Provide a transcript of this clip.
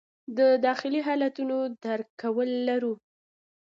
د داخلي حالتونو درک کول لرو.